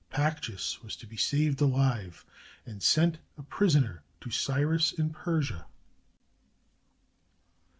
Pactyas was to be saved alive, and sent a prisoner to Cyrus in Persia.